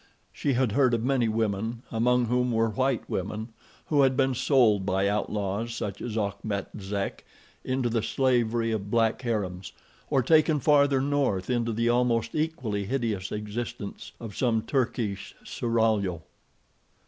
She had heard of many women, among whom were white women, who had been sold by outlaws such as Achmet Zek into the slavery of black harems, or taken farther north into the almost equally hideous existence of some Turkish seraglio.